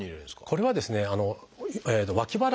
これはですね脇腹。